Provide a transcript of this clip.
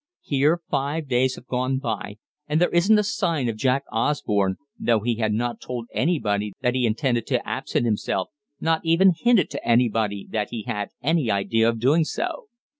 "Here five days have gone by, and there isn't a sign of Jack Osborne, though he had not told anybody that he intended to absent himself, had not even hinted to anybody that he had any idea of doing so."